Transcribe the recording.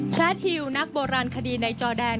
แรดฮิวนักโบราณคดีในจอแดน